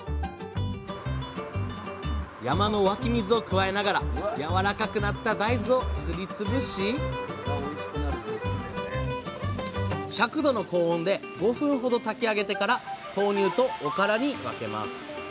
山の湧き水を加えながらやわらかくなった大豆をすり潰し１００℃の高温で５分ほど炊き上げてから豆乳とおからに分けます。